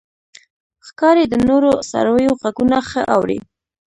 ښکاري د نورو څارویو غږونه ښه اوري.